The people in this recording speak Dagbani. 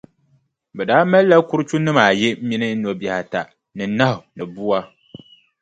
Bɛ daa malila kurichunima ayi mini nobihi ata ni nahu ni bua.